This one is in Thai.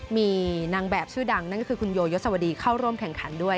มีนางแบบชื่อดังนั่นก็คือคุณโยยศวดีเข้าร่วมแข่งขันด้วย